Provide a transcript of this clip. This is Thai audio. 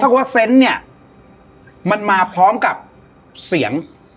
ว่าเซนต์เนี่ยมันมาพร้อมกับเสียง